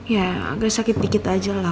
ya agak sakit dikit aja lah